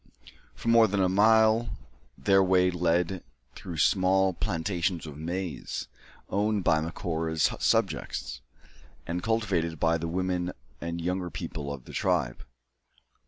For more than a mile their way led through small plantations of maize, owned by Macora's subjects, and cultivated by the women and younger people of the tribe.